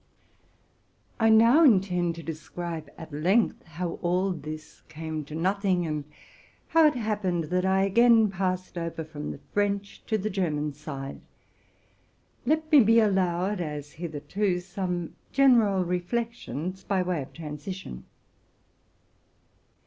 I now intend to describe, at length, how all this came to nothing, and how it happened that I again passed over from the French to the German side. Let me be allowed, as here tofore, to make some general reflections, by way of transition.